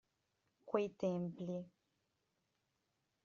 Quei templi…